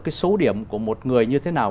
cái số điểm của một người như thế nào